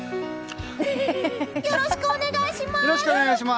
よろしくお願いします！